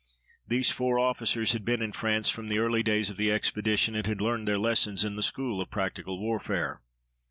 These four officers had been in France from the early days of the expedition and had learned their lessons in the school of practical warfare.